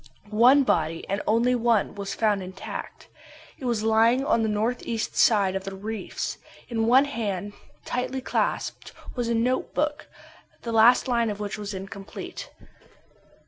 One body, and one only, was found intact. It was lying on the northeast side of the reefs. In one hand, tightly clasped, was a note book, the last line of which was incomplete.